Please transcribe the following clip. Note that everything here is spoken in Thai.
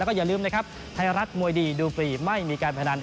แล้วก็อย่าลืมนะครับไทยรัฐมวยดีดูฟรีไม่มีการพนัน